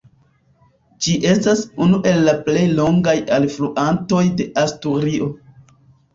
Ĝi estas unu el la plej longaj alfluantoj de Asturio.